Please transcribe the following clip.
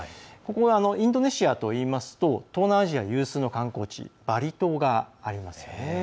インドネシアといいますと東南アジア有数の観光地バリ島がありますよね。